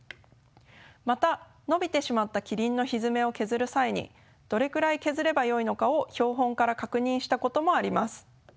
また伸びてしまったキリンのひづめを削る際にどれくらい削ればよいのかを標本から確認したこともあります。